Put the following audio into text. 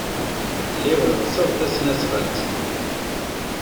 Lliɣ ɣseɣ tasnasɣalt.